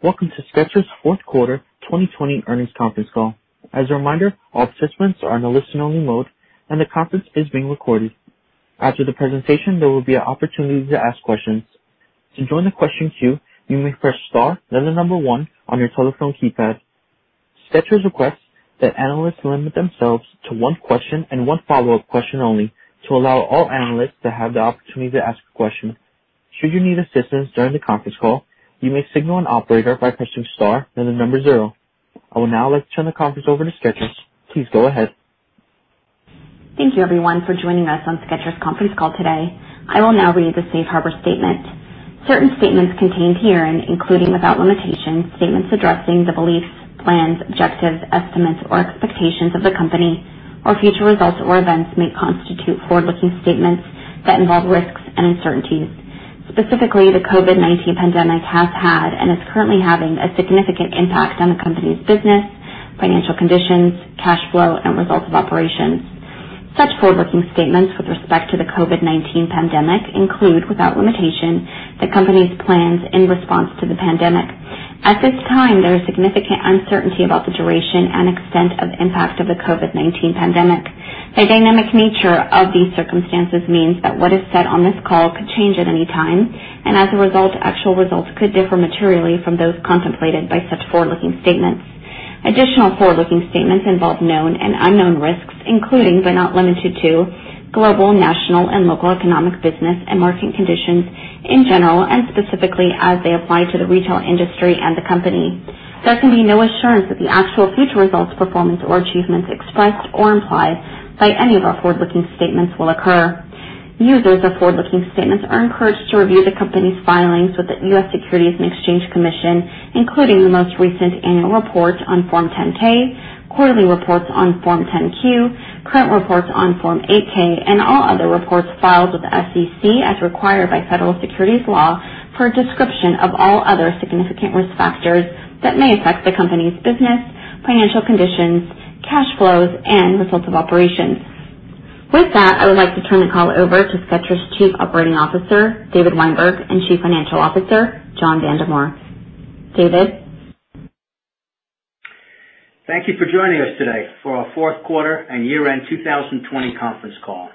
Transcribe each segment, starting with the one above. Welcome to Skechers' fourth quarter 2020 earnings conference call. As a reminder, all participants are in a listen-only mode, and the conference is being recorded. After the presentation, there will be an opportunity to ask questions. To join the question queue, you may press star then the number one on your telephone keypad. Skechers requests that analysts limit themselves to one question and one follow-up question only to allow all analysts to have the opportunity to ask a question. Should you need assistance during the conference call, you may signal an operator by pressing star then the number zero. I would now like to turn the conference over to Skechers. Please go ahead. Thank you, everyone, for joining us on Skechers conference call today. I will now read the safe harbor statement. Certain statements contained herein, including without limitation, statements addressing the beliefs, plans, objectives, estimates, or expectations of the company or future results or events, may constitute forward-looking statements that involve risks and uncertainties. Specifically, the COVID-19 pandemic has had and is currently having a significant impact on the company's business, financial conditions, cash flow, and results of operations. Such forward-looking statements with respect to the COVID-19 pandemic include, without limitation, the company's plans in response to the pandemic. At this time, there is significant uncertainty about the duration and extent of the impact of the COVID-19 pandemic. The dynamic nature of these circumstances means that what is said on this call could change at any time, and as a result, actual results could differ materially from those contemplated by such forward-looking statements. Additional forward-looking statements involve known and unknown risks, including but not limited to global, national, and local economic business and market conditions in general and specifically as they apply to the retail industry and the company. There can be no assurance that the actual future results, performance, or achievements expressed or implied by any of our forward-looking statements will occur. Users of forward-looking statements are encouraged to review the company's filings with the U.S. Securities and Exchange Commission, including the most recent annual report on Form 10-K, quarterly reports on Form 10-Q, current reports on Form 8-K, and all other reports filed with the SEC as required by federal securities law for a description of all other significant risk factors that may affect the company's business, financial conditions, cash flows, and results of operations. With that, I would like to turn the call over to Skechers' Chief Operating Officer, David Weinberg, and Chief Financial Officer, John Vandemore. David? Thank you for joining us today for our fourth quarter and year-end 2020 conference call.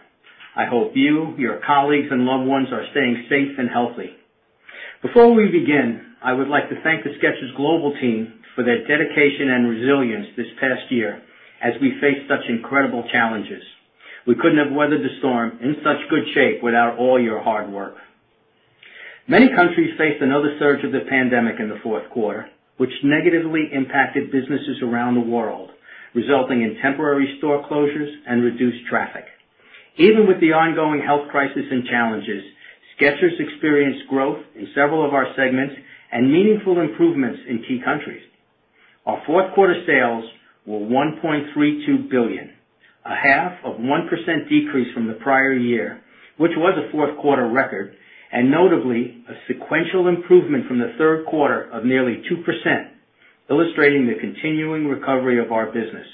I hope you, your colleagues, and loved ones are staying safe and healthy. Before we begin, I would like to thank the Skechers global team for their dedication and resilience this past year as we face such incredible challenges. We couldn't have weathered the storm in such good shape without all your hard work. Many countries faced another surge of the pandemic in the fourth quarter, which negatively impacted businesses around the world, resulting in temporary store closures and reduced traffic. Even with the ongoing health crisis and challenges, Skechers experienced growth in several of our segments and meaningful improvements in key countries. Our fourth quarter sales were $1.32 billion, a half of 1% decrease from the prior year, which was a fourth quarter record, and notably a sequential improvement from the third quarter of nearly 2%, illustrating the continuing recovery of our business.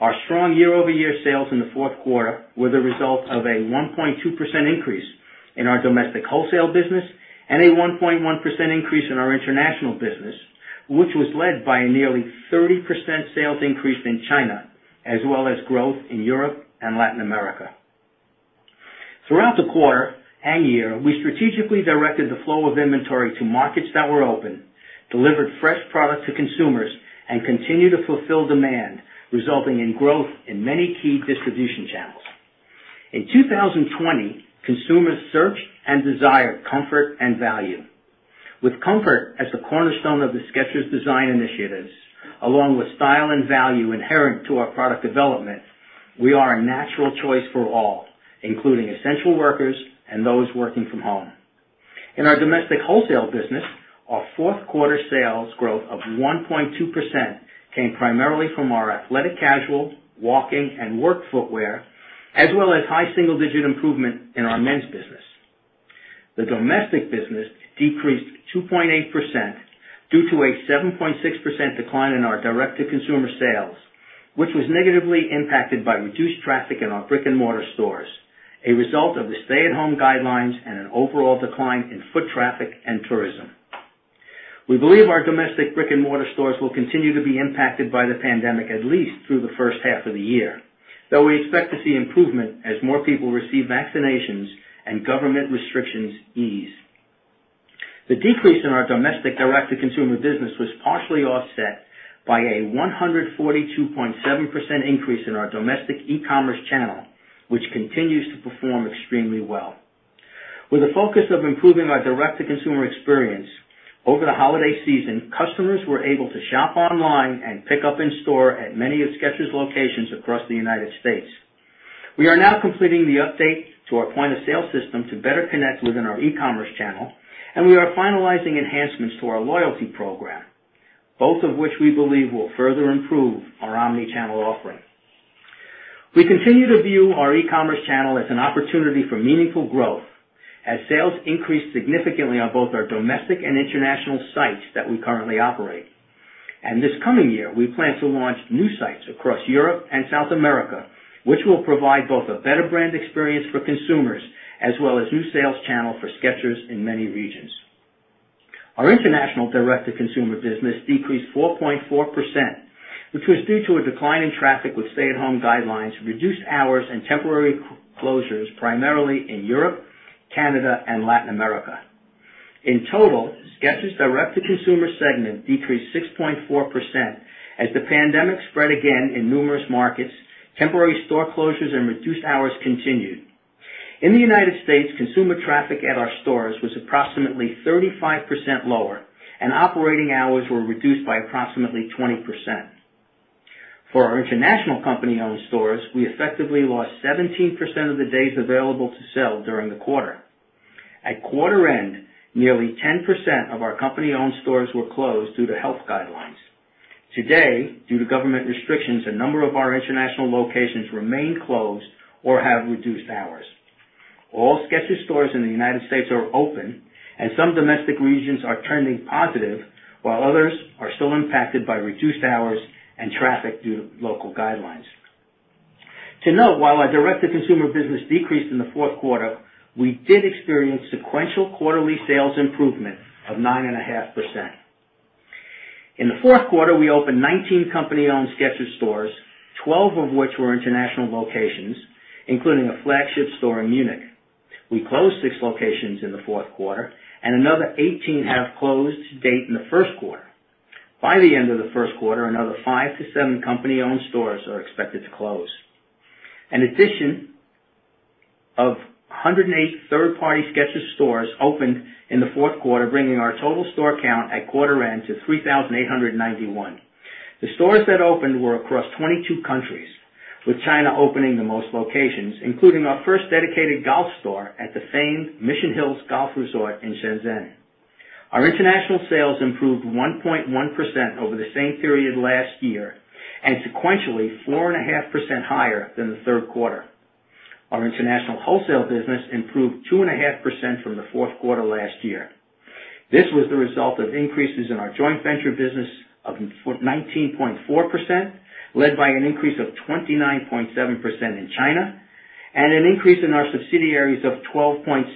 Our strong year-over-year sales in the fourth quarter were the result of a 1.2% increase in our domestic wholesale business and a 1.1% increase in our international business, which was led by a nearly 30% sales increase in China, as well as growth in Europe and Latin America. Throughout the quarter and year, we strategically directed the flow of inventory to markets that were open, delivered fresh product to consumers, and continued to fulfill demand, resulting in growth in many key distribution channels. In 2020, consumers searched and desired comfort and value. With comfort as the cornerstone of the Skechers design initiatives, along with style and value inherent to our product development, we are a natural choice for all, including essential workers and those working from home. In our domestic wholesale business, our fourth quarter sales growth of 1.2% came primarily from our athletic casual, walking, and work footwear, as well as high single-digit improvement in our men's business. The domestic business decreased 2.8% due to a 7.6% decline in our direct-to-consumer sales, which was negatively impacted by reduced traffic in our brick-and-mortar stores, a result of the stay-at-home guidelines and an overall decline in foot traffic and tourism. We believe our domestic brick-and-mortar stores will continue to be impacted by the pandemic at least through the first half of the year, though we expect to see improvement as more people receive vaccinations and government restrictions ease. The decrease in our domestic direct-to-consumer business was partially offset by a 142.7% increase in our domestic e-commerce channel, which continues to perform extremely well. With a focus of improving our direct-to-consumer experience, over the holiday season, customers were able to shop online and pick up in-store at many of Skechers' locations across the United States. We are now completing the update to our point-of-sale system to better connect within our e-commerce channel, and we are finalizing enhancements to our loyalty program, both of which we believe will further improve our omni-channel offering. We continue to view our e-commerce channel as an opportunity for meaningful growth as sales increased significantly on both our domestic and international sites that we currently operate. This coming year, we plan to launch new sites across Europe and South America, which will provide both a better brand experience for consumers as well as new sales channel for Skechers in many regions. Our international direct-to-consumer business decreased 4.4%, which was due to a decline in traffic with stay-at-home guidelines, reduced hours, and temporary closures, primarily in Europe, Canada, and Latin America. In total, Skechers' direct-to-consumer segment decreased 6.4% as the pandemic spread again in numerous markets, temporary store closures and reduced hours continued. In the U.S., consumer traffic at our stores was approximately 35% lower, and operating hours were reduced by approximately 20%. For our international company-owned stores, we effectively lost 17% of the days available to sell during the quarter. At quarter end, nearly 10% of our company-owned stores were closed due to health guidelines. Today, due to government restrictions, a number of our international locations remain closed or have reduced hours. All Skechers stores in the U.S. are open. Some domestic regions are turning positive, while others are still impacted by reduced hours and traffic due to local guidelines. To note, while our direct-to-consumer business decreased in the fourth quarter, we did experience sequential quarterly sales improvement of 9.5%. In the fourth quarter, we opened 19 company-owned Skechers stores, 12 of which were international locations, including a flagship store in Munich. We closed six locations in the fourth quarter. Another 18 have closed to date in the first quarter. By the end of the first quarter, another five to seven company-owned stores are expected to close. In addition, 108 third-party Skechers stores opened in the fourth quarter, bringing our total store count at quarter end to 3,891. The stores that opened were across 22 countries, with China opening the most locations, including our first dedicated golf store at the famed Mission Hills Golf Resort in Shenzhen. Our international sales improved 1.1% over the same period last year, and sequentially, 4.5% higher than the third quarter. Our international wholesale business improved 2.5% from the fourth quarter last year. This was the result of increases in our joint venture business of 19.4%, led by an increase of 29.7% in China, and an increase in our subsidiaries of 12.7%.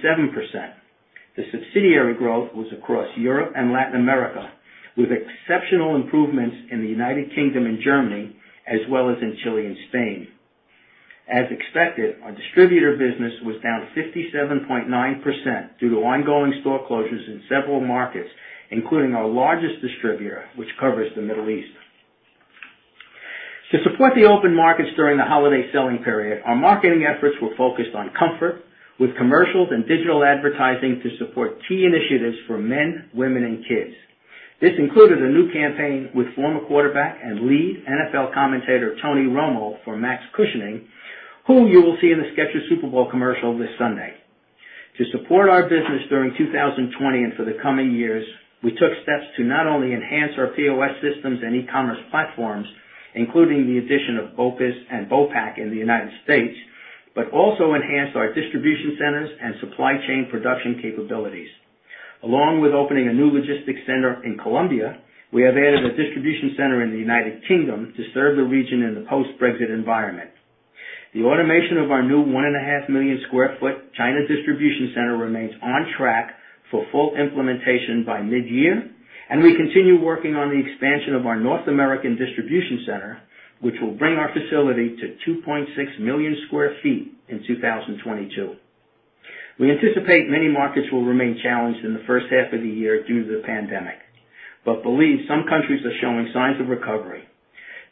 The subsidiary growth was across Europe and Latin America, with exceptional improvements in the United Kingdom and Germany, as well as in Chile and Spain. As expected, our distributor business was down 57.9% due to ongoing store closures in several markets, including our largest distributor, which covers the Middle East. To support the open markets during the holiday selling period, our marketing efforts were focused on comfort, with commercials and digital advertising to support key initiatives for men, women, and kids. This included a new campaign with former quarterback and lead NFL Commentator Tony Romo for Max Cushioning, who you will see in the Skechers Super Bowl commercial this Sunday. To support our business during 2020 and for the coming years, we took steps to not only enhance our POS systems and e-commerce platforms, including the addition of BOPIS and BOPAC in the United States, but also enhance our distribution centers and supply chain production capabilities. Along with opening a new logistics center in Colombia, we have added a distribution center in the United Kingdom to serve the region in the post-Brexit environment. The automation of our new 1.5 million square foot China distribution center remains on track for full implementation by mid-year, and we continue working on the expansion of our North American distribution center, which will bring our facility to 2.6 million square feet in 2022. We anticipate many markets will remain challenged in the first half of the year due to the pandemic, but believe some countries are showing signs of recovery.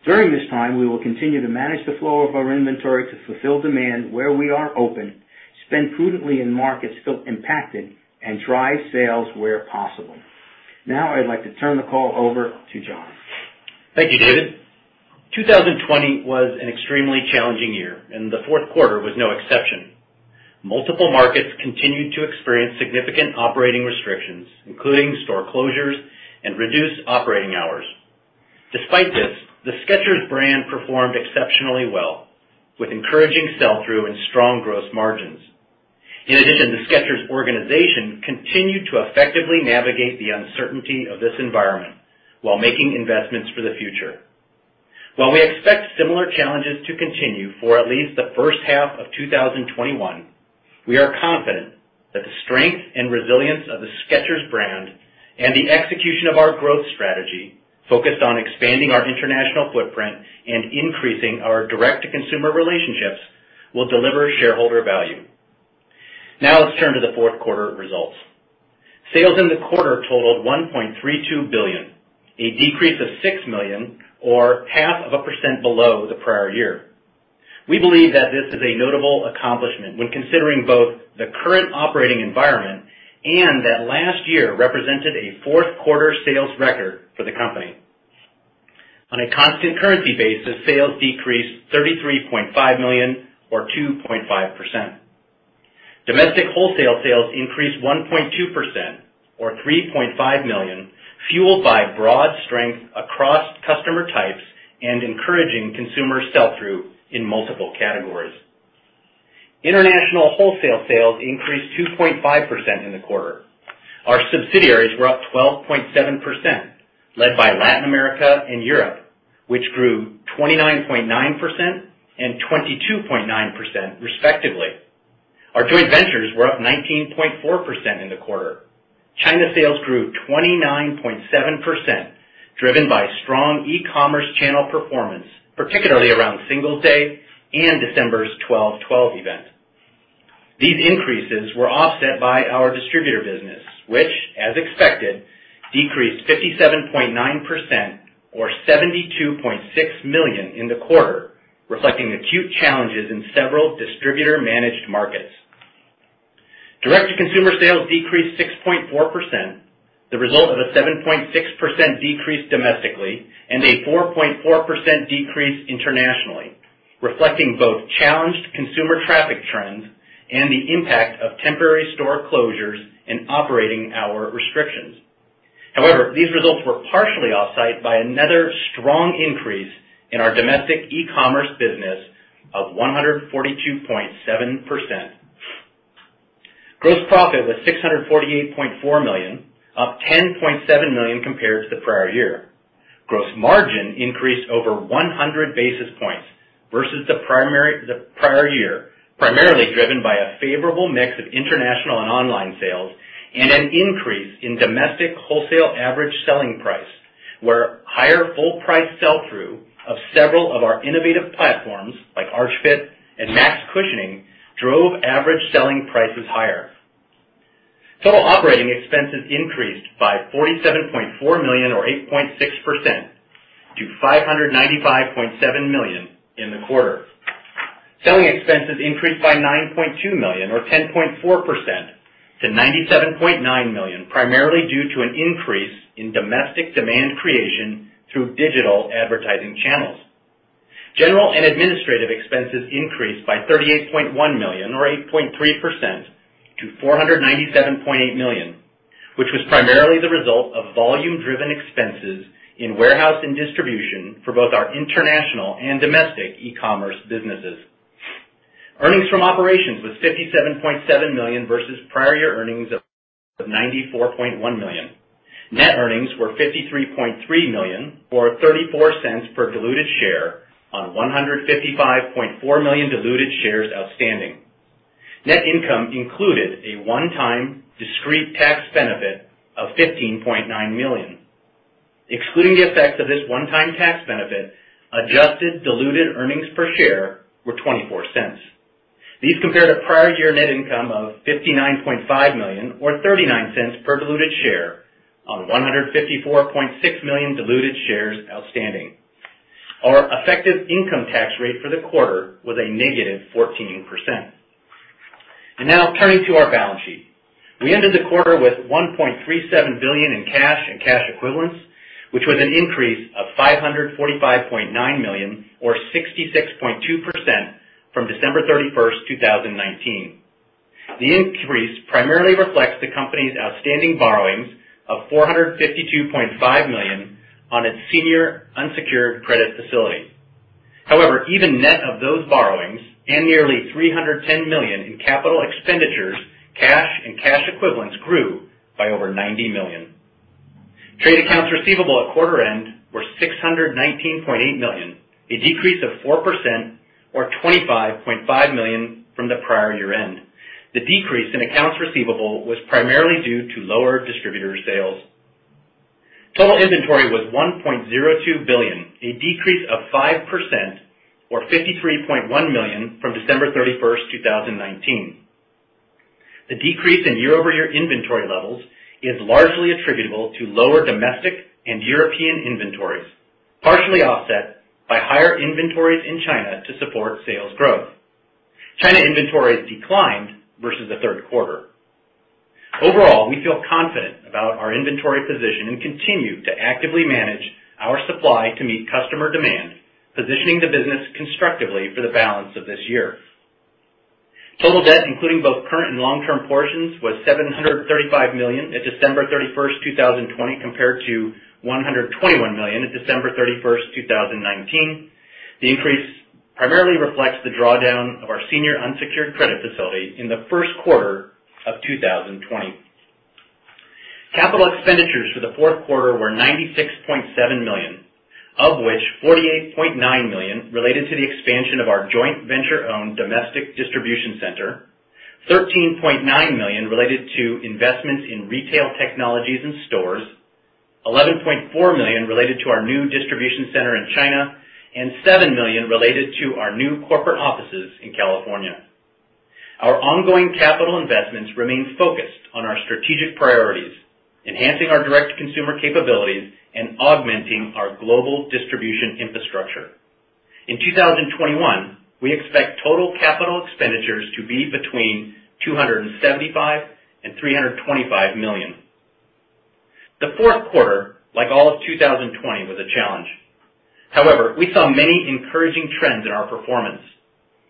During this time, we will continue to manage the flow of our inventory to fulfill demand where we are open, spend prudently in markets still impacted, and drive sales where possible. Now I'd like to turn the call over to John. Thank you, David. 2020 was an extremely challenging year, and the fourth quarter was no exception. Multiple markets continued to experience significant operating restrictions, including store closures and reduced operating hours. Despite this, the Skechers brand performed exceptionally well, with encouraging sell-through and strong gross margins. In addition, the Skechers organization continued to effectively navigate the uncertainty of this environment while making investments for the future. While we expect similar challenges to continue for at least the first half of 2021, we are confident that the strength and resilience of the Skechers brand and the execution of our growth strategy, focused on expanding our international footprint and increasing our direct-to-consumer relationships, will deliver shareholder value. Now let's turn to the fourth quarter results. Sales in the quarter totaled $1.32 billion, a decrease of $6 million, or half of a percent below the prior year. We believe that this is a notable accomplishment when considering both the current operating environment and that last year represented a fourth quarter sales record for the company. On a constant currency basis, sales decreased $33.5 million or 2.5%. Domestic wholesale sales increased 1.2%, or $3.5 million, fueled by broad strength across customer type and encouraging consumer sell-through in multiple categories. International wholesale sales increased 2.5% in the quarter. Our subsidiaries were up 12.7%, led by Latin America and Europe, which grew 29.9% and 22.9%, respectively. Our joint ventures were up 19.4% in the quarter. China sales grew 29.7%, driven by strong e-commerce channel performance, particularly around Singles' Day and December's 12/12 event. These increases were offset by our distributor business, which, as expected, decreased 57.9%, or $72.6 million in the quarter, reflecting acute challenges in several distributor-managed markets. Direct-to-consumer sales decreased 6.4%, the result of a 7.6% decrease domestically and a 4.4% decrease internationally, reflecting both challenged consumer traffic trends and the impact of temporary store closures and operating hour restrictions. However, these results were partially offset by another strong increase in our domestic e-commerce business of 142.7%. Gross profit was $648.4 million, up $10.7 million compared to the prior year. Gross margin increased over 100 basis points versus the prior year, primarily driven by a favorable mix of international and online sales and an increase in domestic wholesale average selling price, where higher full price sell-through of several of our innovative platforms, like Arch Fit and Max Cushioning, drove average selling prices higher. Total operating expenses increased by $47.4 million or 8.6% to $595.7 million in the quarter. Selling expenses increased by $9.2 million or 10.4% to $97.9 million, primarily due to an increase in domestic demand creation through digital advertising channels. General and administrative expenses increased by $38.1 million or 8.3% to $497.8 million, which was primarily the result of volume-driven expenses in warehouse and distribution for both our international and domestic e-commerce businesses. Earnings from operations was $57.7 million versus prior year earnings of $94.1 million. Net earnings were $53.3 million or $0.34 per diluted share on 155.4 million diluted shares outstanding. Net income included a one-time discrete tax benefit of $15.9 million. Excluding the effects of this one-time tax benefit, adjusted diluted earnings per share were $0.24. These compare to prior year net income of $59.5 million or $0.39 per diluted share on 154.6 million diluted shares outstanding. Our effective income tax rate for the quarter was a -14%. Now turning to our balance sheet. We ended the quarter with $1.37 billion in cash and cash equivalents, which was an increase of $545.9 million or 66.2% from December 31st, 2019. The increase primarily reflects the company's outstanding borrowings of $452.5 million on its senior unsecured credit facility. However, even net of those borrowings and nearly $310 million in capital expenditures, cash and cash equivalents grew by over $90 million. Trade accounts receivable at quarter end were $619.8 million, a decrease of 4% or $25.5 million from the prior year end. The decrease in accounts receivable was primarily due to lower distributor sales. Total inventory was $1.02 billion, a decrease of 5% or $53.1 million from December 31st, 2019. The decrease in year-over-year inventory levels is largely attributable to lower domestic and European inventories, partially offset by higher inventories in China to support sales growth. China inventories declined versus the third quarter. Overall, we feel confident about our inventory position and continue to actively manage our supply to meet customer demand, positioning the business constructively for the balance of this year. Total debt, including both current and long-term portions, was $735 million at December 31st, 2020 compared to $121 million at December 31st, 2019. The increase primarily reflects the drawdown of our senior unsecured credit facility in the first quarter of 2020. Capital expenditures for the fourth quarter were $96.7 million, of which $48.9 million related to the expansion of our joint venture-owned domestic distribution center, $13.9 million related to investments in retail technologies and stores, $11.4 million related to our new distribution center in China, and $7 million related to our new corporate offices in California. Our ongoing capital investments remain focused on our strategic priorities, enhancing our direct consumer capabilities and augmenting our global distribution infrastructure. In 2021, we expect total capital expenditures to be between $275 million and $325 million. The fourth quarter, like all of 2020, was a challenge. We saw many encouraging trends in our performance.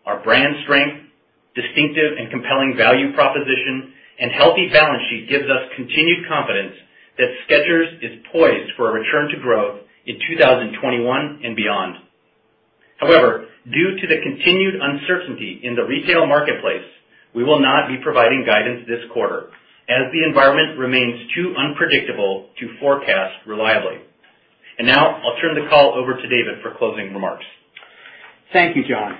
Our brand strength, distinctive and compelling value proposition, and healthy balance sheet gives us continued confidence that Skechers is poised for a return to growth in 2021 and beyond. Due to the continued uncertainty in the retail marketplace, we will not be providing guidance this quarter, as the environment remains too unpredictable to forecast reliably. Now I'll turn the call over to David for closing remarks. Thank you, John.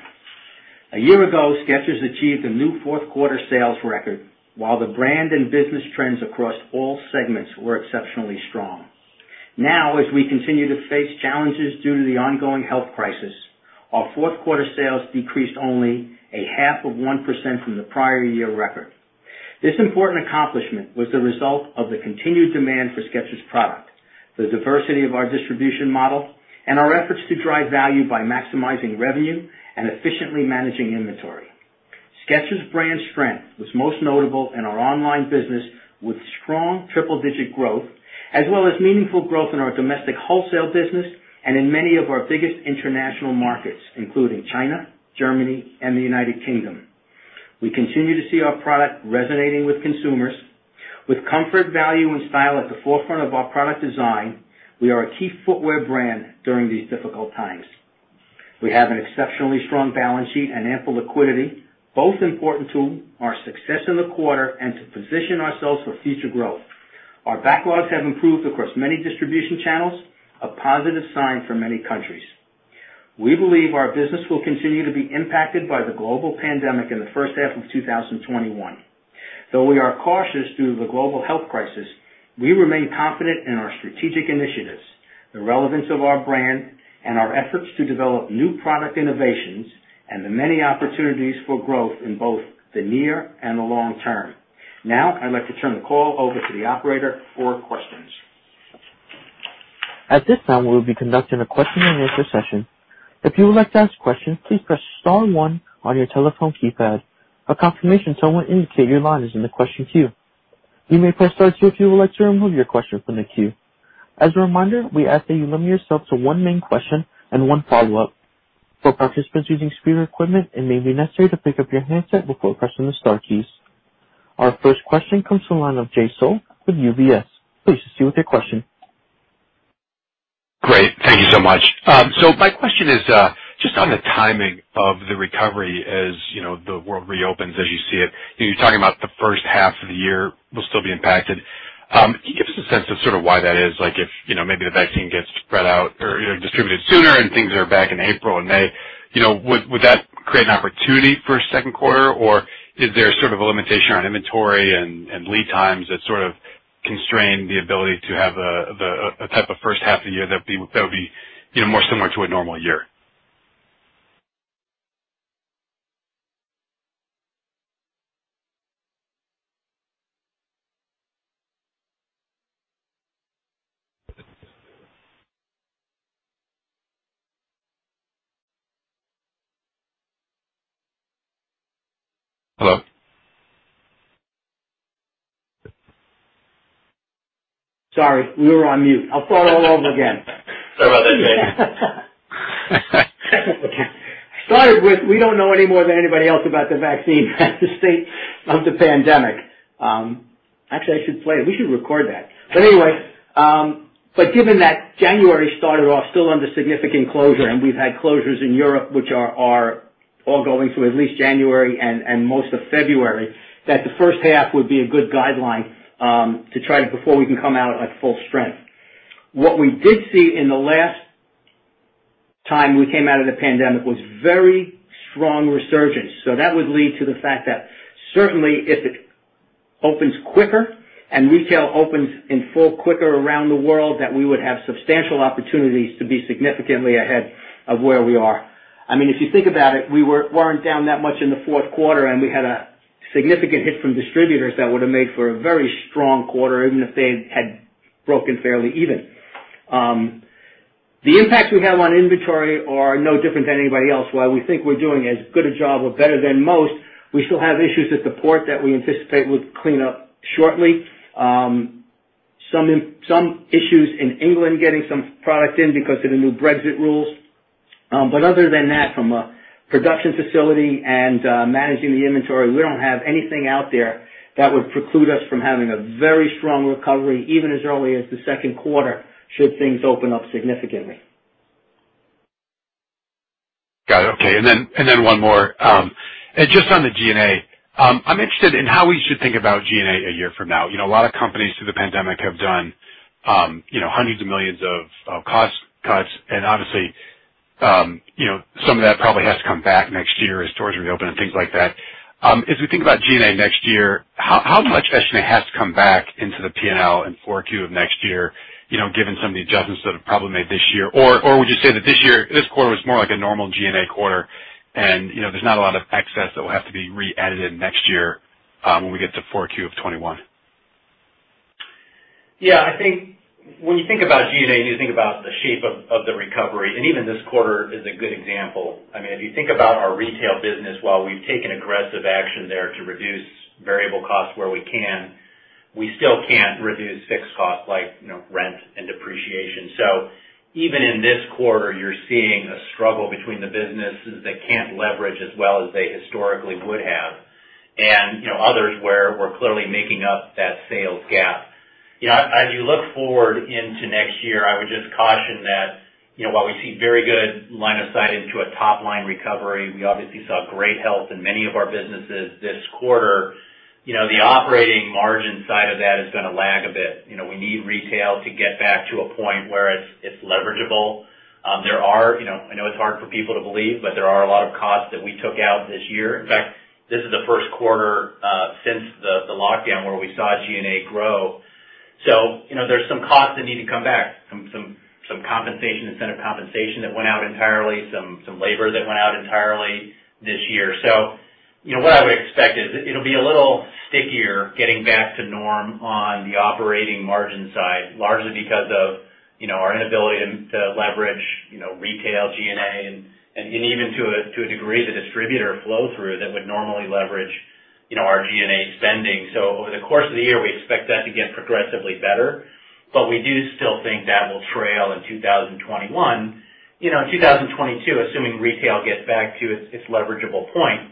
A year ago, Skechers achieved a new fourth quarter sales record, while the brand and business trends across all segments were exceptionally strong. Now, as we continue to face challenges due to the ongoing health crisis, our fourth quarter sales decreased only a half of 1% from the prior year record. This important accomplishment was the result of the continued demand for Skechers product, the diversity of our distribution model, and our efforts to drive value by maximizing revenue and efficiently managing inventory. Skechers brand strength was most notable in our online business, with strong triple digit growth, as well as meaningful growth in our domestic wholesale business and in many of our biggest international markets, including China, Germany, and the United Kingdom. We continue to see our product resonating with consumers. With comfort, value, and style at the forefront of our product design, we are a key footwear brand during these difficult times. We have an exceptionally strong balance sheet and ample liquidity, both important to our success in the quarter and to position ourselves for future growth. Our backlogs have improved across many distribution channels, a positive sign for many countries. We believe our business will continue to be impacted by the global pandemic in the first half of 2021. Though we are cautious due to the global health crisis, we remain confident in our strategic initiatives, the relevance of our brand, and our efforts to develop new product innovations, and the many opportunities for growth in both the near and the long term. Now, I'd like to turn the call over to the operator for questions. Our first question comes from the line of Jay Sole with UBS. Please proceed with your question. Great. Thank you so much. My question is just on the timing of the recovery as the world reopens as you see it. You're talking about the first half of the year will still be impacted. Can you give us a sense of sort of why that is? If maybe the vaccine gets spread out or distributed sooner and things are back in April and May, would that create an opportunity for second quarter? Or is there a sort of a limitation on inventory and lead times that sort of constrain the ability to have a type of first half of the year that would be more similar to a normal year? Hello? Sorry, we were on mute. I'll start all over again. Sorry about that, David. We don't know any more than anybody else about the vaccine and the state of the pandemic. Actually, I should play it. We should record that. Anyway, given that January started off still under significant closure, and we've had closures in Europe, which are all going through at least January and most of February, that the first half would be a good guideline before we can come out at full strength. What we did see in the last time we came out of the pandemic was very strong resurgence. That would lead to the fact that certainly if it opens quicker and retail opens in full quicker around the world, that we would have substantial opportunities to be significantly ahead of where we are. If you think about it, we weren't down that much in the fourth quarter, and we had a significant hit from distributors that would have made for a very strong quarter, even if they had broken fairly even. The impacts we have on inventory are no different than anybody else. While we think we're doing as good a job or better than most, we still have issues at the port that we anticipate would clean up shortly. Some issues in England getting some product in because of the new Brexit rules. Other than that, from a production facility and managing the inventory, we don't have anything out there that would preclude us from having a very strong recovery, even as early as the second quarter, should things open up significantly. Got it. Okay. One more. Just on the G&A. I'm interested in how we should think about G&A a year from now. A lot of companies through the pandemic have done hundreds of millions of cost cuts, and obviously, some of that probably has to come back next year as stores reopen and things like that. As we think about G&A next year, how much estimate has to come back into the P&L in 4Q of next year, given some of the adjustments that have probably made this year? Would you say that this quarter was more like a normal G&A quarter and there's not a lot of excess that will have to be re-edited next year when we get to 4Q of 2021? Yeah, I think when you think about G&A, and you think about the shape of the recovery, and even this quarter is a good example. If you think about our retail business, while we've taken aggressive action there to reduce variable costs where we can. We still can't reduce fixed costs like rent and depreciation. Even in this quarter, you're seeing a struggle between the businesses that can't leverage as well as they historically would have and others where we're clearly making up that sales gap. As you look forward into next year, I would just caution that while we see very good line of sight into a top-line recovery, we obviously saw great health in many of our businesses this quarter. The operating margin side of that is going to lag a bit. We need retail to get back to a point where it's leverageable. I know it's hard for people to believe, but there are a lot of costs that we took out this year. In fact, this is the first quarter since the lockdown where we saw G&A grow. There's some costs that need to come back, some incentive compensation that went out entirely, some labor that went out entirely this year. What I would expect is it'll be a little stickier getting back to norm on the operating margin side, largely because of our inability to leverage retail G&A and even to a degree, the distributor flow-through that would normally leverage our G&A spending. Over the course of the year, we expect that to get progressively better. We do still think that will trail in 2021. In 2022, assuming retail gets back to its leverageable point,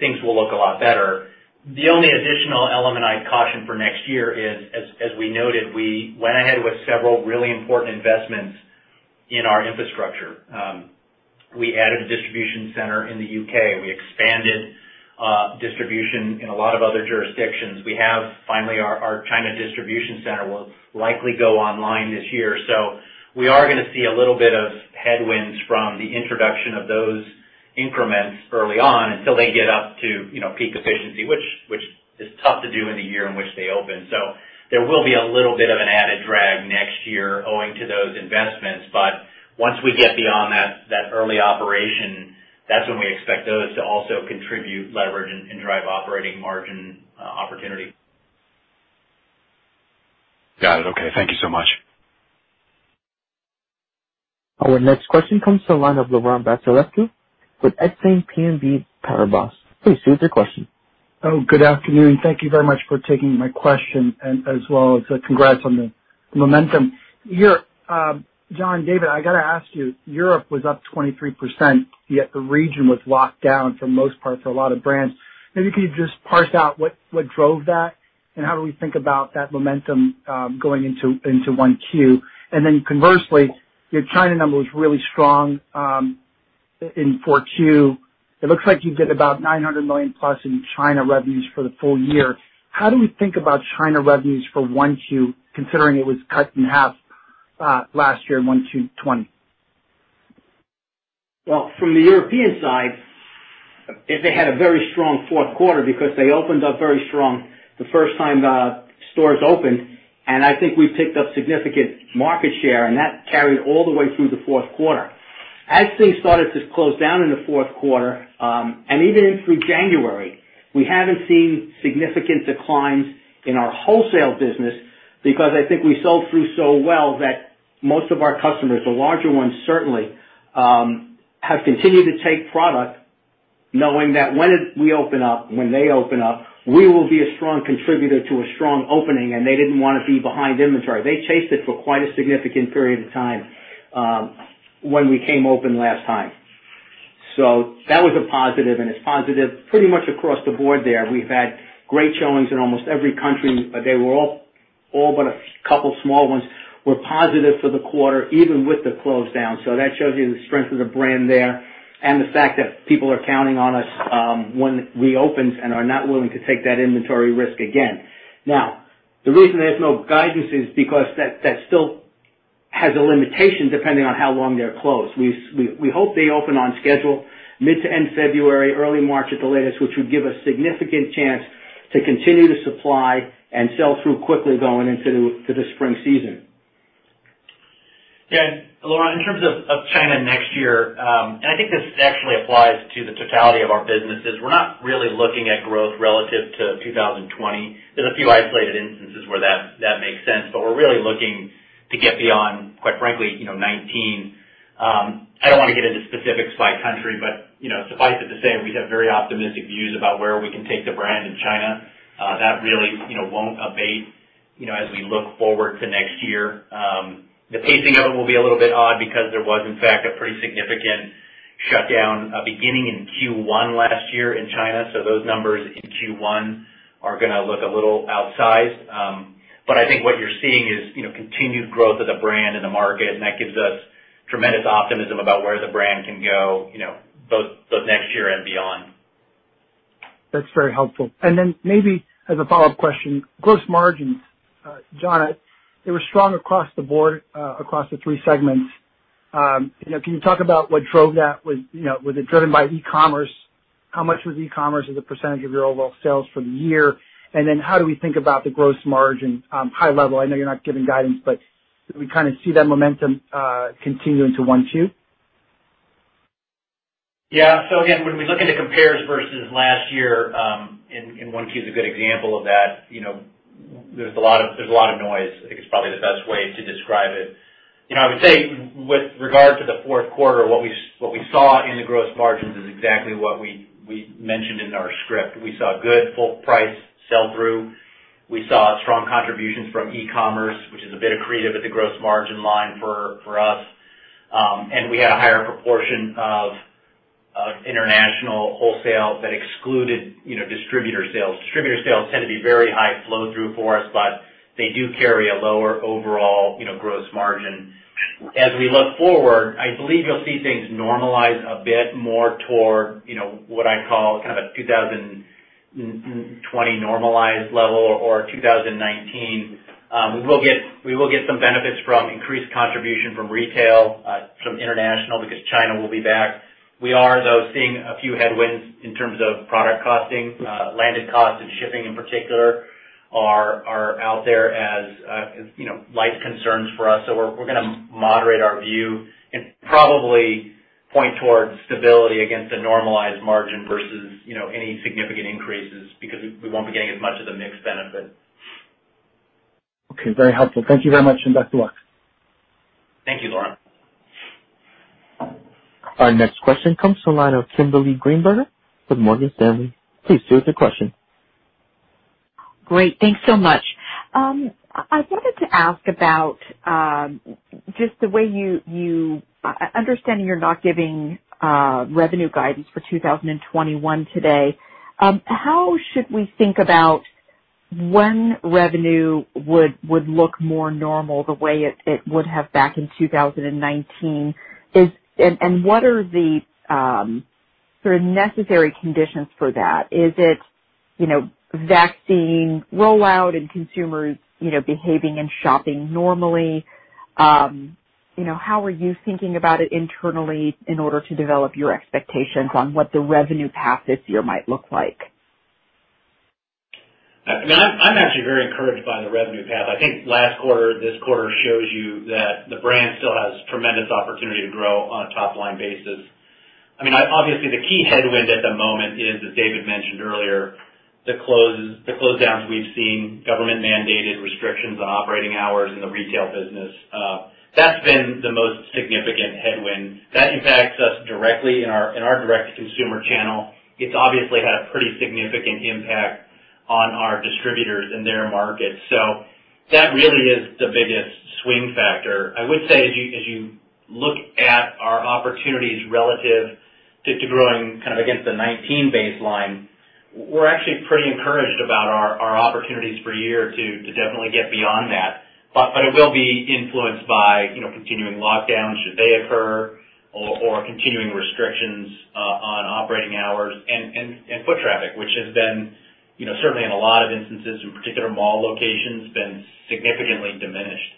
things will look a lot better. The only additional element I'd caution for next year is, as we noted, we went ahead with several really important investments in our infrastructure. We added a distribution center in the U.K. We expanded distribution in a lot of other jurisdictions. Our China distribution center will likely go online this year. We are going to see a little bit of headwinds from the introduction of those increments early on until they get up to peak efficiency, which is tough to do in the year in which they open. There will be a little bit of an added drag next year owing to those investments. Once we get beyond that early operation, that's when we expect those to also contribute leverage and drive operating margin opportunity. Got it. Okay. Thank you so much. Our next question comes to the line of Laurent Vasilescu with Exane BNP Paribas. Please proceed with your question. Oh, good afternoon. Thank you very much for taking my question, as well as congrats on the momentum. John, David, I got to ask you, Europe was up 23%, yet the region was locked down for most parts for a lot of brands. Maybe could you just parse out what drove that, how do we think about that momentum going into 1Q? Conversely, your China number was really strong in 4Q. It looks like you did about $900 million+ in China revenues for the full year. How do we think about China revenues for 1Q, considering it was cut in half last year in 1Q 2020? Well, from the European side, they had a very strong fourth quarter because they opened up very strong the first time the stores opened, and I think we picked up significant market share, and that carried all the way through the fourth quarter. As things started to close down in the fourth quarter, and even in through January, we haven't seen significant declines in our wholesale business because I think we sold through so well that most of our customers, the larger ones certainly, have continued to take product knowing that when we open up, when they open up, we will be a strong contributor to a strong opening, and they didn't want to be behind inventory. They chased it for quite a significant period of time when we came open last time. That was a positive, and it's positive pretty much across the board there. We've had great showings in almost every country. All but a couple small ones were positive for the quarter, even with the close down. That shows you the strength of the brand there and the fact that people are counting on us when it reopens and are not willing to take that inventory risk again. Now, the reason there's no guidance is because that still has a limitation depending on how long they're closed. We hope they open on schedule mid to end February, early March at the latest, which would give a significant chance to continue to supply and sell through quickly going into the spring season. Yeah. Laurent, in terms of China next year, and I think this actually applies to the totality of our businesses. We're not really looking at growth relative to 2020. There's a few isolated instances where that makes sense, but we're really looking to get beyond, quite frankly, 2019. I don't want to get into specifics by country, but suffice it to say, we have very optimistic views about where we can take the brand in China. That really won't abate as we look forward to next year. The pacing of it will be a little bit odd because there was, in fact, a pretty significant shutdown beginning in Q1 last year in China. Those numbers in Q1 are going to look a little outsized. I think what you're seeing is continued growth of the brand in the market, and that gives us tremendous optimism about where the brand can go both next year and beyond. That's very helpful. Maybe as a follow-up question, gross margins. John, they were strong across the board, across the three segments. Can you talk about what drove that? Was it driven by e-commerce? How much was e-commerce as a percentage of your overall sales for the year? How do we think about the gross margin high level? I know you're not giving guidance, but do we kind of see that momentum continue into 1Q? Yeah. Again, when we look at the compares versus last year, and 1Q is a good example of that, there's a lot of noise, I think, is probably the best way to describe it. I would say with regard to the fourth quarter, what we saw in the gross margins is exactly what we mentioned in our script. We saw good full price sell-through. We saw strong contributions from e-commerce, which is a bit accretive at the gross margin line for us. We had a higher proportion of international wholesale that excluded distributor sales. Distributor sales tend to be very high flow-through for us, but they do carry a lower overall gross margin. As we look forward, I believe you'll see things normalize a bit more toward what I call a 2020 normalized level or 2019. We will get some benefits from increased contribution from retail, from international, because China will be back. We are, though, seeing a few headwinds in terms of product costing. Landed costs and shipping in particular are out there as light concerns for us, so we're going to moderate our view and probably point towards stability against a normalized margin versus any significant increases, because we won't be getting as much of the mix benefit. Okay. Very helpful. Thank you very much, and best of luck. Thank you, Laurent. Our next question comes from the line of Kimberly Greenberger with Morgan Stanley. Please proceed with your question. Great. Thanks so much. I wanted to ask about just the way you I understand you're not giving revenue guidance for 2021 today. How should we think about when revenue would look more normal the way it would have back in 2019? What are the sort of necessary conditions for that? Is it vaccine rollout and consumers behaving and shopping normally? How are you thinking about it internally in order to develop your expectations on what the revenue path this year might look like? I'm actually very encouraged by the revenue path. I think last quarter, this quarter, shows you that the brand still has tremendous opportunity to grow on a top-line basis. Obviously, the key headwind at the moment is, as David mentioned earlier, the closedowns we've seen, government mandated restrictions on operating hours in the retail business. That's been the most significant headwind. That impacts us directly in our direct-to-consumer channel. It's obviously had a pretty significant impact on our distributors in their markets. That really is the biggest swing factor. I would say, as you look at our opportunities relative to growing kind of against the 2019 baseline, we're actually pretty encouraged about our opportunities for a year to definitely get beyond that. It will be influenced by continuing lockdowns, should they occur, or continuing restrictions on operating hours and foot traffic, which has been, certainly in a lot of instances, in particular mall locations, been significantly diminished.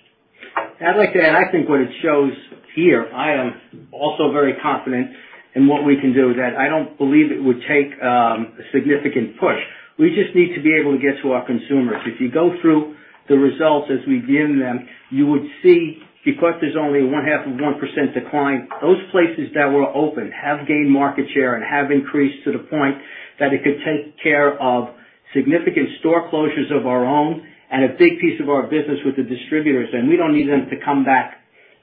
I'd like to add, I think what it shows here, I am also very confident in what we can do, is that I don't believe it would take a significant push. We just need to be able to get to our consumers. If you go through the results as we've given them, you would see because there's only one half of 1% decline, those places that were open have gained market share and have increased to the point that it could take care of significant store closures of our own and a big piece of our business with the distributors, and we don't need them to come back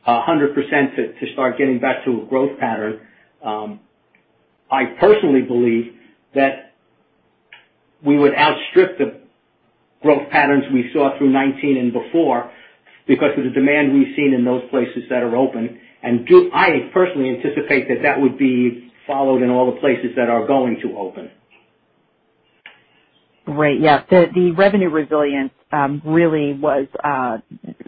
100% to start getting back to a growth pattern. I personally believe that we would outstrip the growth patterns we saw through 2019 and before because of the demand we've seen in those places that are open. I personally anticipate that that would be followed in all the places that are going to open. Great. Yeah. The revenue resilience really was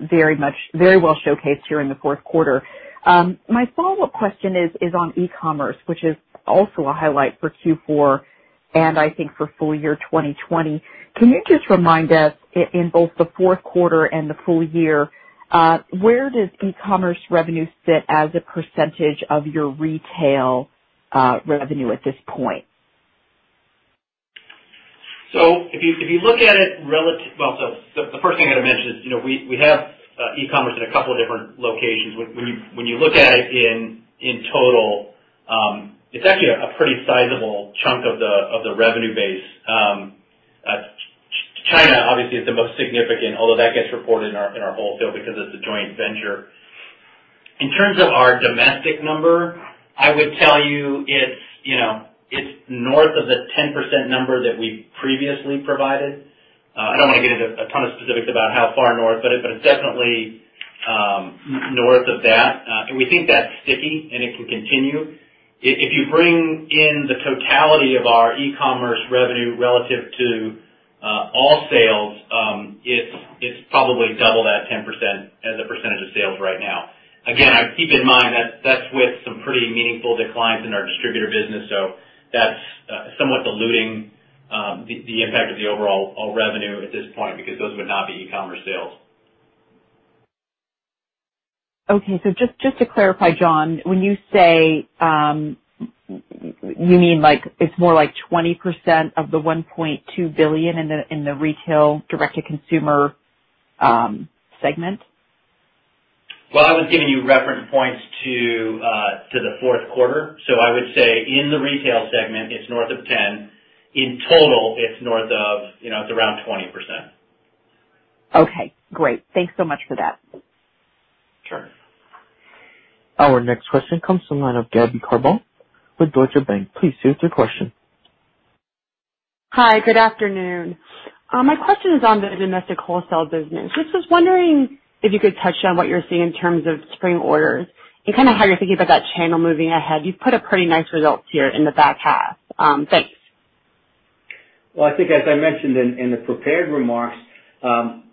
very well showcased here in the fourth quarter. My follow-up question is on e-commerce, which is also a highlight for Q4, and I think for full year 2020. Can you just remind us, in both the fourth quarter and the full year, where does e-commerce revenue sit as a percentage of your retail revenue at this point? The first thing I got to mention is we have e-commerce in a couple of different locations. When you look at it in total, it's actually a pretty sizable chunk of the revenue base. China obviously is the most significant, although that gets reported in our wholesale because it's a joint venture. In terms of our domestic number, I would tell you it's north of the 10% number that we previously provided. I don't want to get into a ton of specifics about how far north, but it's definitely north of that. We think that's sticky, and it can continue. If you bring in the totality of our e-commerce revenue relative to all sales, it's probably double that 10% as a percentage of sales right now. Keep in mind that that's with some pretty meaningful declines in our distributor business, so that's somewhat diluting the impact of the overall revenue at this point because those would not be e-commerce sales. Okay. Just to clarify, John, when you say, you mean it's more like 20% of the $1.2 billion in the retail direct-to-consumer segment? Well, I was giving you reference points to the fourth quarter. I would say in the retail segment, it's north of 10%. In total, it's north of around 20%. Okay, great. Thanks so much for that. Sure. Our next question comes from the line of Gabby Carbone with Deutsche Bank. Please state your question. Hi, good afternoon. My question is on the domestic wholesale business. Just was wondering if you could touch on what you're seeing in terms of spring orders and how you're thinking about that channel moving ahead. You've put up pretty nice results here in the back half. Thanks. Well, I think as I mentioned in the prepared remarks,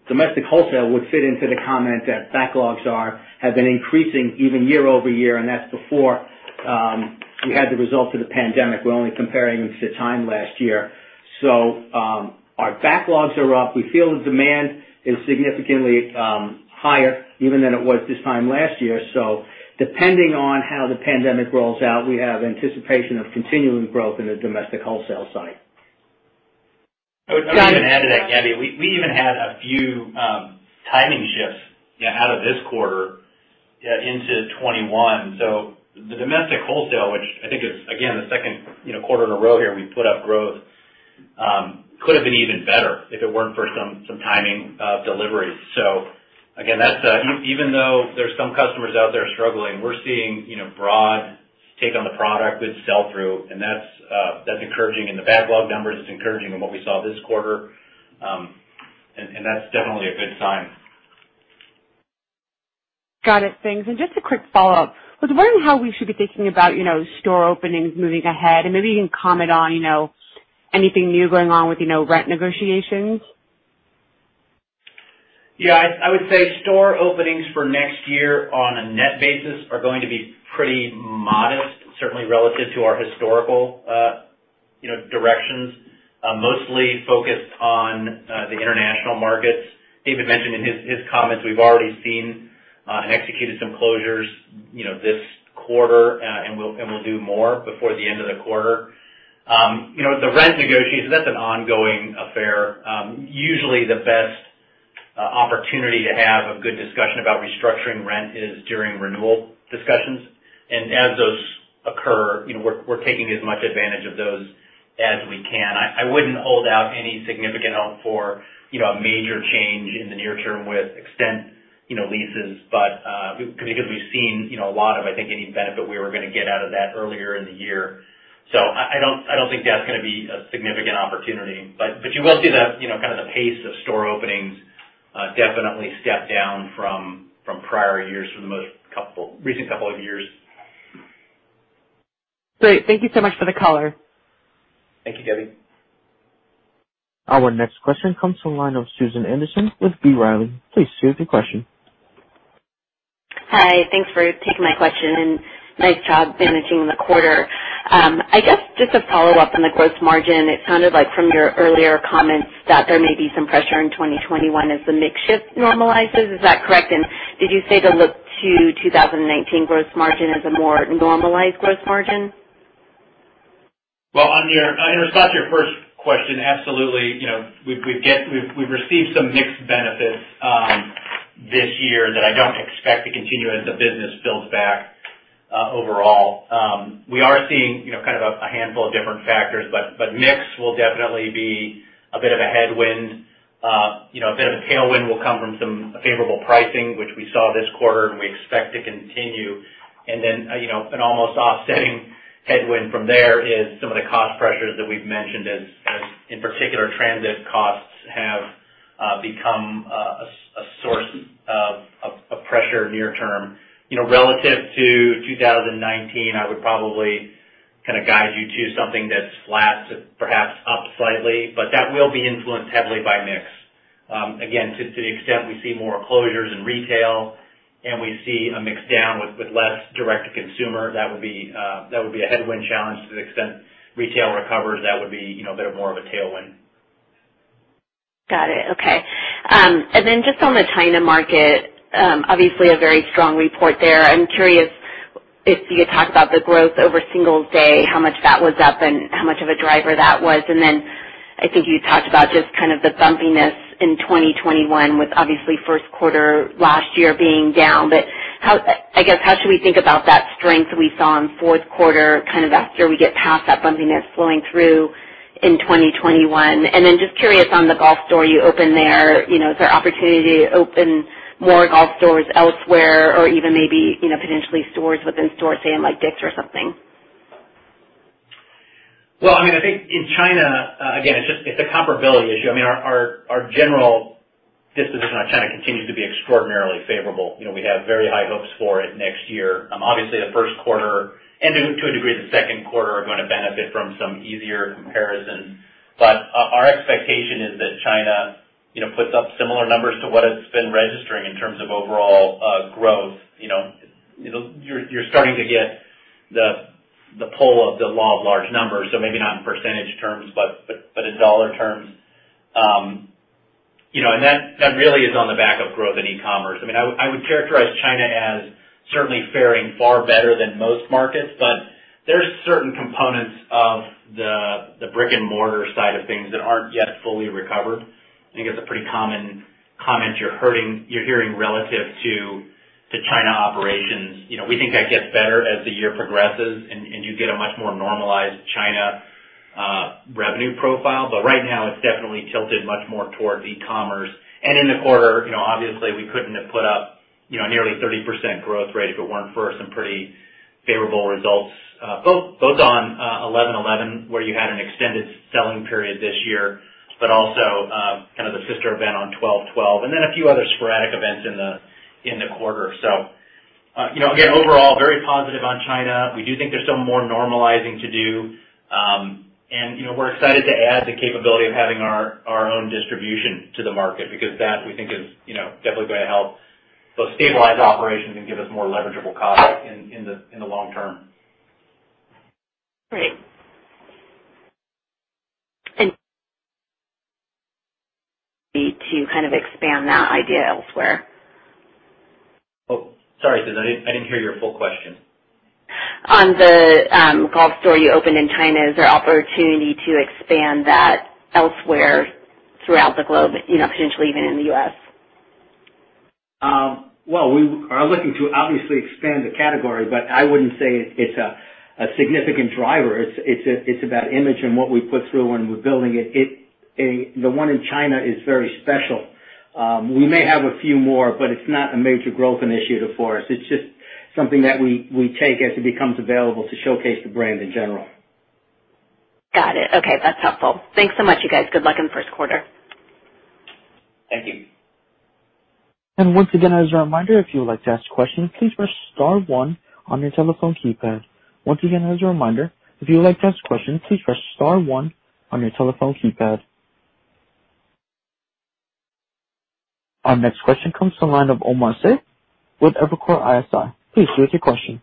domestic wholesale would fit into the comment that backlogs have been increasing even year-over-year, and that's before we had the results of the pandemic. We're only comparing to this time last year. Our backlogs are up. We feel the demand is significantly higher even than it was this time last year. Depending on how the pandemic rolls out, we have anticipation of continuing growth in the domestic wholesale side. I would even add to that, Gabby, we even had a few timing shifts out of this quarter into 2021. The domestic wholesale, which I think is, again, the second quarter in a row here we've put up growth, could have been even better if it weren't for some timing of deliveries. That's encouraging in the backlog numbers. It's encouraging in what we saw this quarter. That's definitely a good sign. Got it. Thanks. Just a quick follow-up. I was wondering how we should be thinking about store openings moving ahead, and maybe you can comment on anything new going on with rent negotiations. Yeah. I would say store openings for next year on a net basis are going to be pretty modest, certainly relative to our historical directions. Mostly focused on the international markets. David mentioned in his comments, we've already seen and executed some closures this quarter, and we'll do more before the end of the quarter. The rent negotiations, that's an ongoing affair. Usually, the best opportunity to have a good discussion about restructuring rent is during renewal discussions. As those occur, we're taking as much advantage of those as we can. I wouldn't hold out any significant hope for a major change in the near term with existing leases, because we've seen a lot of, I think, any benefit we were going to get out of that earlier in the year. I don't think that's going to be a significant opportunity. You will see the pace of store openings definitely step down from prior years for the most recent couple of years. Great. Thank you so much for the color. Thank you, Gabby. Our next question comes from the line of Susan Anderson with B. Riley. Please state your question. Hi. Thanks for taking my question, and nice job managing the quarter. I guess just a follow-up on the gross margin. It sounded like from your earlier comments that there may be some pressure in 2021 as the mix shift normalizes. Is that correct? Did you say to look to 2019 gross margin as a more normalized gross margin? Well, in response to your first question, absolutely. We've received some mix benefits this year that I don't expect to continue as the business builds back overall. We are seeing a handful of different factors, but mix will definitely be a bit of a headwind. A bit of a tailwind will come from some favorable pricing, which we saw this quarter, and we expect to continue. An almost offsetting headwind from there is some of the cost pressures that we've mentioned as, in particular, transit costs have become a source of pressure near term. Relative to 2019, I would probably guide you to something that's flat to perhaps up slightly, but that will be influenced heavily by mix. Again, to the extent we see more closures in retail and we see a mix down with less direct-to-consumer, that would be a headwind challenge. To the extent retail recovers, that would be a bit more of a tailwind. Got it. Okay. Just on the China market, obviously a very strong report there. I'm curious if you could talk about the growth over Singles' Day, how much that was up, and how much of a driver that was. I think you talked about just the bumpiness in 2021 with obviously first quarter last year being down. I guess how should we think about that strength we saw in fourth quarter after we get past that bumpiness flowing through in 2021? Just curious on the golf store you opened there. Is there opportunity to open more golf stores elsewhere or even maybe potentially stores within stores, say in like DICK'S or something? Well, I think in China, again, it's a comparability issue. Our general disposition on China continues to be extraordinarily favorable. We have very high hopes for it next year. Obviously, the first quarter and to a degree the second quarter are going to benefit from some easier comparisons. Our expectation is that China puts up similar numbers to what it's been registering in terms of overall growth. You're starting to get the pull of the law of large numbers. Maybe not in percentage terms, but in dollar terms. That really is on the back of growth in e-commerce. I would characterize China as certainly faring far better than most markets, but there's certain components of the brick-and-mortar side of things that aren't yet fully recovered. I think it's a pretty common comment you're hearing relative to China operations. We think that gets better as the year progresses, and you get a much more normalized China revenue profile. Right now, it's definitely tilted much more towards e-commerce. In the quarter, obviously we couldn't have put up nearly 30% growth rate if it weren't for some pretty favorable results both on 11/11, where you had an extended selling period this year, but also the sister event on 12/12, and then a few other sporadic events in the quarter. Again, overall, very positive on China. We do think there's some more normalizing to do. We're excited to add the capability of having our own distribution to the market because that, we think, is definitely going to help both stabilize operations and give us more leverageable costs in the long term. Great. To kind of expand that idea elsewhere. Oh, sorry, Susan, I didn't hear your full question. On the golf store you opened in China, is there opportunity to expand that elsewhere throughout the globe, potentially even in the U.S.? Well, we are looking to obviously expand the category, but I wouldn't say it's a significant driver. It's about image and what we put through when we're building it. The one in China is very special. We may have a few more, but it's not a major growth initiative for us. It's just something that we take as it becomes available to showcase the brand in general. Got it. Okay, that's helpful. Thanks so much, you guys. Good luck in the first quarter. Thank you. Once again, as a reminder, if you would like to ask questions, please press star one on your telephone keypad. Our next question comes from the line of Omar Saad with Evercore ISI. Please proceed with your question.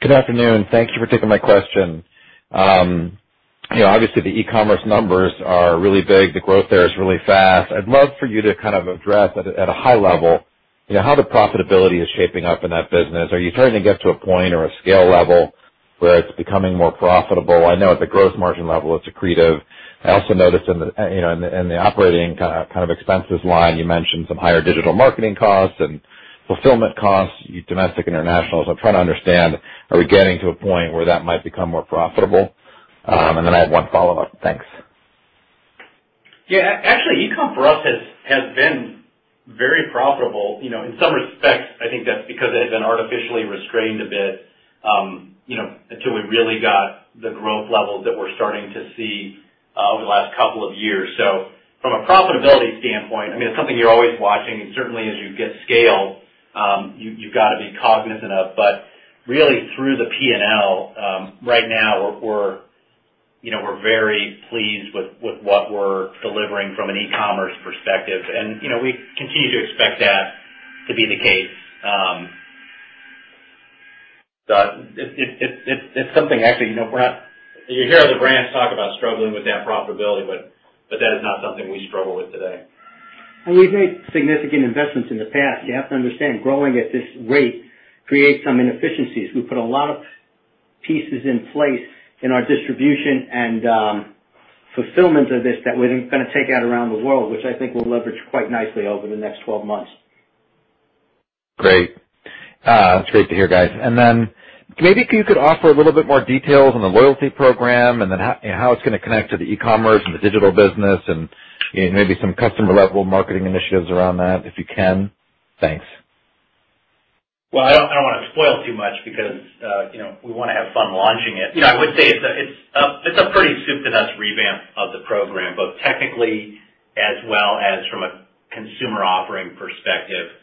Good afternoon. Thank you for taking my question. Obviously, the e-commerce numbers are really big. The growth there is really fast. I'd love for you to kind of address at a high level how the profitability is shaping up in that business. Are you starting to get to a point or a scale level where it's becoming more profitable? I know at the gross margin level it's accretive. I also noticed in the operating kind of expenses line, you mentioned some higher digital marketing costs and fulfillment costs, domestic, international. I'm trying to understand, are we getting to a point where that might become more profitable? Then I have one follow-up. Thanks. Yeah. Actually, e-com for us has been very profitable. In some respects, I think that's because it has been artificially restrained a bit until we really got the growth levels that we're starting to see over the last couple of years. From a profitability standpoint, it's something you're always watching, and certainly as you get scale, you've got to be cognizant of. Really through the P&L right now, we're very pleased with what we're delivering from an e-commerce perspective, and we continue to expect that to be the case. It's something actually, you hear other brands talk about struggling with that profitability, that is not something we struggle with today. We've made significant investments in the past. You have to understand, growing at this rate creates some inefficiencies. We put a lot of pieces in place in our distribution and fulfillment of this that we're then going to take out around the world, which I think will leverage quite nicely over the next 12 months. Great. That's great to hear, guys. Maybe if you could offer a little bit more details on the loyalty program and then how it's going to connect to the e-commerce and the digital business, and maybe some customer-level marketing initiatives around that, if you can? Thanks. Well, I don't want to spoil too much because we want to have fun launching it. I would say it's a pretty soup to nuts revamp of the program, both technically as well as from a consumer offering perspective.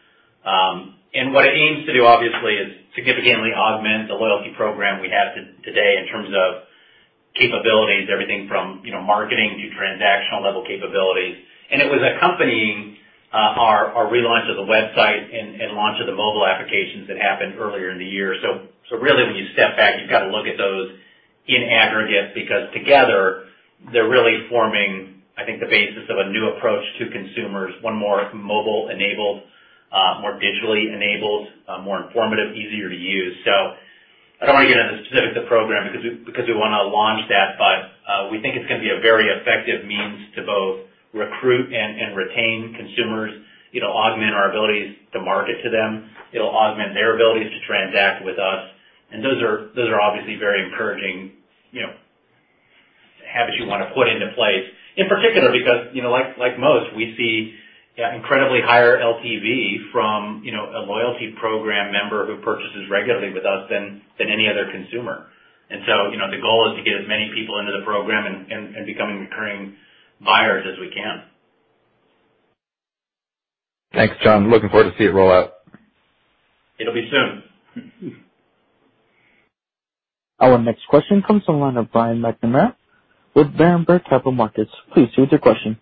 What it aims to do, obviously, is significantly augment the loyalty program we have today in terms of capabilities, everything from marketing to transactional level capabilities. It was accompanying our relaunch of the website and launch of the mobile applications that happened earlier in the year. Really, when you step back, you've got to look at those in aggregate, because together they're really forming, I think, the basis of a new approach to consumers. One more mobile enabled, more digitally enabled, more informative, easier to use. I don't want to get into the specifics of program because we want to launch that, but we think it's going to be a very effective means to both recruit and retain consumers, augment our abilities to market to them. It'll augment their abilities to transact with us. Those are obviously very encouraging habits you want to put into place. In particular because, like most, we see incredibly higher LTV from a loyalty program member who purchases regularly with us than any other consumer. The goal is to get as many people into the program and becoming recurring buyers as we can. Thanks, John. Looking forward to see it roll out. It'll be soon. Our next question comes from the line of Brian McNamara with Berenberg Capital Markets. Please proceed with your question.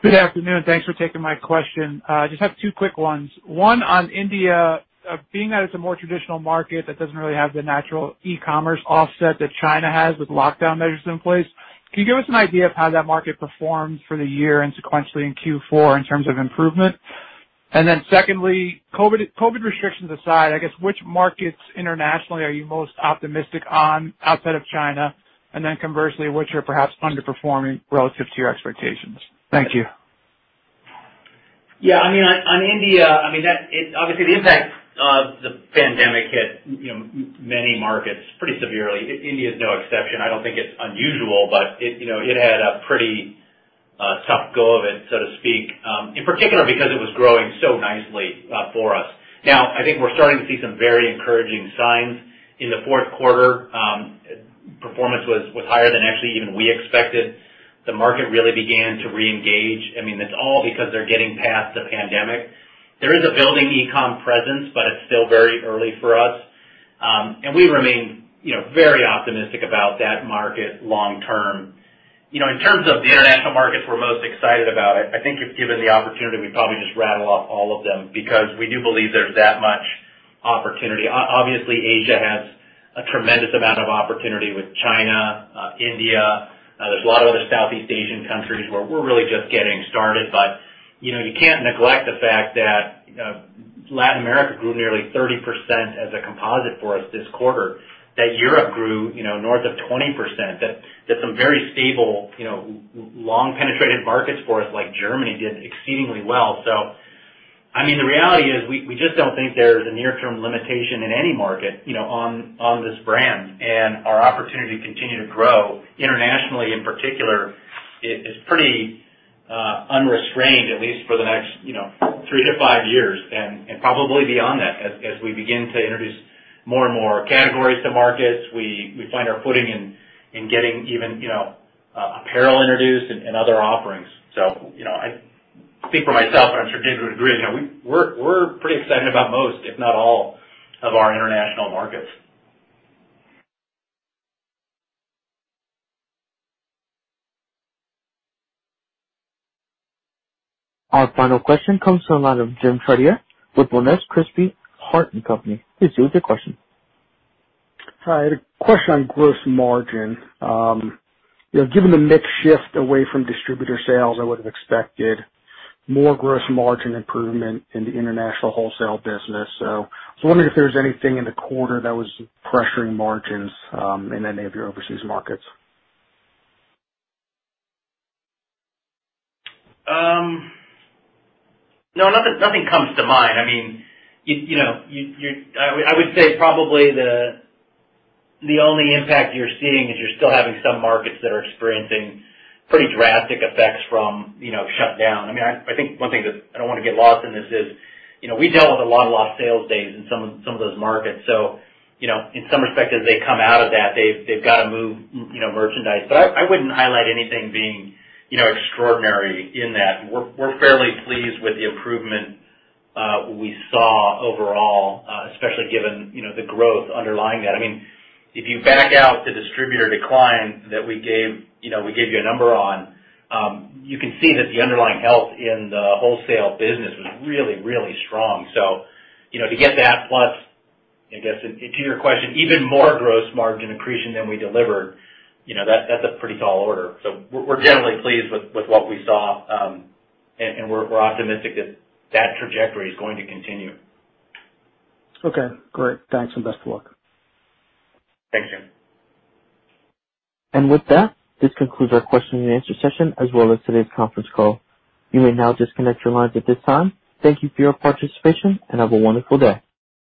Good afternoon. Thanks for taking my question. I just have two quick ones. One on India. Being that it's a more traditional market that doesn't really have the natural e-commerce offset that China has with lockdown measures in place, can you give us an idea of how that market performed for the year and sequentially in Q4 in terms of improvement? Secondly, COVID restrictions aside, I guess which markets internationally are you most optimistic on outside of China? Conversely, which are perhaps underperforming relative to your expectations? Thank you. Yeah. On India, obviously the impact of the pandemic hit many markets pretty severely. India is no exception. I don't think it's unusual, but it had a pretty tough go of it, so to speak, in particular because it was growing so nicely for us. Now, I think we're starting to see some very encouraging signs. In the fourth quarter, performance was higher than actually even we expected. The market really began to reengage. It's all because they're getting past the pandemic. There is a building e-com presence, but it's still very early for us. We remain very optimistic about that market long term. In terms of the international markets we're most excited about, I think if given the opportunity, we'd probably just rattle off all of them because we do believe there's that much opportunity. Obviously, Asia has a tremendous amount of opportunity with China, India. There's a lot of other Southeast Asian countries where we're really just getting started. You can't neglect the fact that Latin America grew nearly 30% as a composite for us this quarter, that Europe grew north of 20%, that some very stable, long penetrated markets for us, like Germany, did exceedingly well. The reality is, we just don't think there's a near term limitation in any market on this brand. Our opportunity to continue to grow internationally in particular is pretty unrestrained, at least for the next three to five years and probably beyond that as we begin to introduce more and more categories to markets, we find our footing in getting even apparel introduced and other offerings. I speak for myself, and I'm sure David would agree, we're pretty excited about most, if not all of our international markets. Our final question comes from the line of Jim Chartier with Monness, Crespi, Hardt & Company. Please go with your question. Hi. I had a question on gross margin. Given the mix shift away from distributor sales, I would have expected more gross margin improvement in the international wholesale business. I was wondering if there was anything in the quarter that was pressuring margins in any of your overseas markets. No. Nothing comes to mind. I would say probably the only impact you're seeing is you're still having some markets that are experiencing pretty drastic effects from shutdown. I think one thing that I don't want to get lost in this is, we dealt with a lot of lost sales days in some of those markets. In some respect, as they come out of that, they've got to move merchandise. I wouldn't highlight anything being extraordinary in that. We're fairly pleased with the improvement we saw overall, especially given the growth underlying that. If you back out the distributor decline that we gave you a number on, you can see that the underlying health in the wholesale business was really, really strong. To get that, plus, I guess to your question, even more gross margin accretion than we delivered, that's a pretty tall order. We're generally pleased with what we saw, and we're optimistic that trajectory is going to continue. Okay, great. Thanks, and best of luck. Thanks, Jim. With that, this concludes our question and answer session, as well as today's conference call. You may now disconnect your lines at this time. Thank you for your participation, and have a wonderful day.